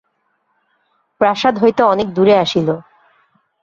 প্রাসাদ হইতে অনেক দূরে আসিল।